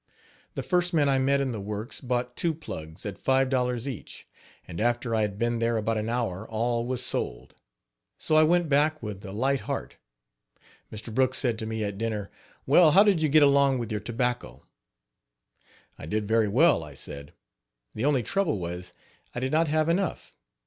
The first man I met in the works bought two plugs, at five dollars each; and after I had been there about an hour all was sold. So I went back with a light heart. Mr. Brooks said to me at dinner: "Well, how did you get along with your tobacco?" "I did very well," I said, "the only trouble was I did not have enough.